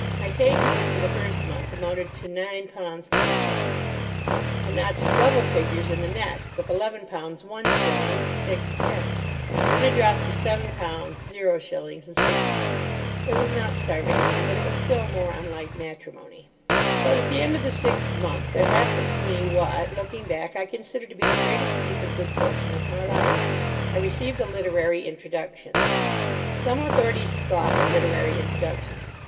My takings for the first month amounted to #9 10s. I notched double figures in the next with #ll 1s. 6d. Then I dropped to #7 0s. 6d. It was not starvation, but it was still more unlike matrimony. But at the end of the sixth month there happened to me what, looking back, I consider to be the greatest piece of good fortune of my life. I received a literary introduction. Some authorities scoff at literary introductions.